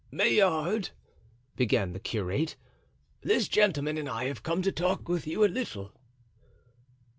"Maillard," began the curate, "this gentleman and I have come to talk with you a little."